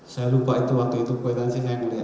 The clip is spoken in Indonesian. saya lupa itu waktu itu kekuatan sini ya mulia